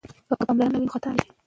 که پاملرنه وي نو خطا نه کیږي.